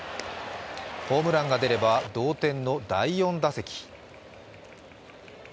ホームランが出れば同点の第４打席。